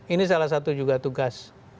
ini salah satu juga tugas